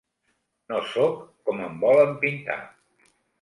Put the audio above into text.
No sóc com em volen pintar.